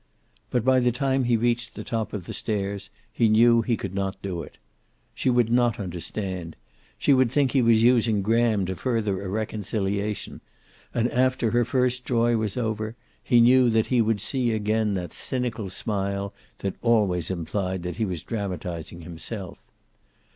But by the time he reached the top of the stairs he knew he could not do it. She would not understand. She would think he was using Graham to further a reconciliation; and, after her first joy was over, he knew that he would see again that cynical smile that always implied that he was dramatizing himself.